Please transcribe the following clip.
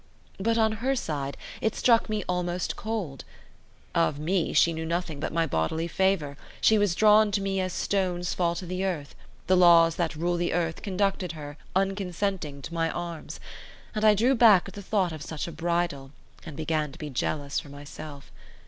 But on her side, it struck me almost cold. Of me, she knew nothing but my bodily favour; she was drawn to me as stones fall to the earth; the laws that rule the earth conducted her, unconsenting, to my arms; and I drew back at the thought of such a bridal, and began to be jealous for myself.